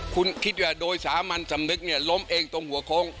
คุณคิดดูโดยสามัญสัมนึกล้มเองตรงหัวโค้ง